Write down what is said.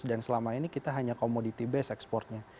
dan selama ini kita hanya komoditas ekspornya